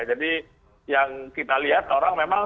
jadi yang kita lihat orang memang